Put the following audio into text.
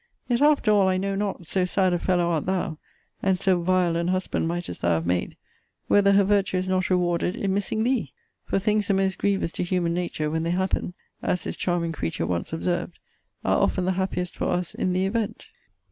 Yet, after all, I know not, so sad a fellow art thou, and so vile an husband mightest thou have made, whether her virtue is not rewarded in missing thee: for things the most grievous to human nature, when they happen, as this charming creature once observed, are often the happiest for us in the event.